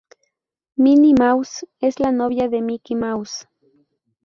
Minnie Mouse es la novia de Mickey Mouse.